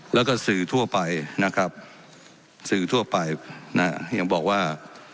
แล้วก็สื่อทั่วไปนะครับสื่อทั่วไปนะยังบอกว่า